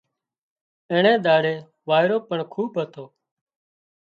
اينڻي ۮاڙئي وائيرو پڻ خوٻ هتو